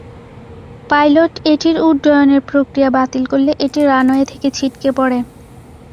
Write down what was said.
Pilot এটির উড্ডয়নের প্রক্রিয়া বাতিল করলে এটি রানওয়ে থেকে ছিটকে পড়ে।